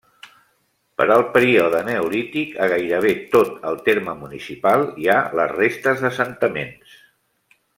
Per al període neolític a gairebé tot el terme municipal hi ha les restes d'assentaments.